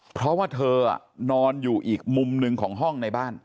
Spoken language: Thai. เพราะว่าเธอนอนอยู่อีกมุมหนึ่งของห้องในบ้าน